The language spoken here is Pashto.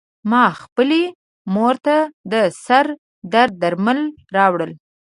ما خپلې مور ته د سر درد درمل راوړل .